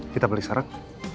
kita balik sekarang